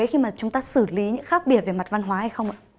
khi mà chúng ta xử lý những khác biệt về mặt văn hóa hay không ạ